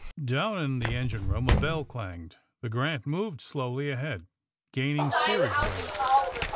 Down in the engine room a bell clanged. The '* Grant" moved slowly ahead, gaining steerage way.